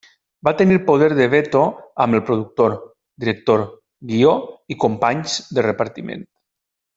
Va tenir poder de veto amb el productor, director, guió i companys de repartiment.